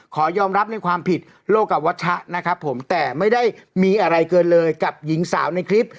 ขอยอมรับในความผิดโลกกับวัชชะนะครับผมแต่ไม่ได้มีอะไรเกินเลยกับหญิงสาวในคลิป